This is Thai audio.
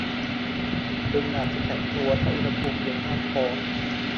บึงอาจจะแข็งตัวถ้าอุณหภูมิเย็นมากพอ